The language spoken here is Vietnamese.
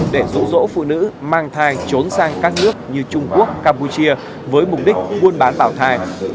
để rụ rỗ phụ nữ mang thai trốn sang các nước như trung quốc campuchia với mục đích buôn bán bảo thai